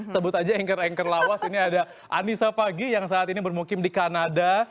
sebut aja anchor anchor lawas ini ada anissa pagi yang saat ini bermukim di kanada